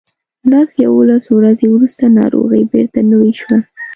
لس یوولس ورځې وروسته ناروغي بیرته نوې شوه.